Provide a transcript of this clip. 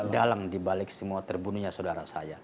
dalang dibalik semua terbunuhnya saudara saya